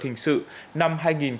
hình sự năm hai nghìn một mươi năm